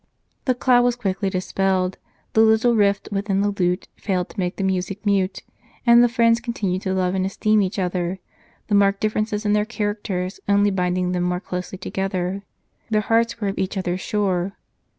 The cloud was quickly dispelled, the little rift within the lute failed to make the music mute, and the friends continued to love and esteem each other, the marked differences in their characters only binding them more closely together. " Their hearts were of each other sure."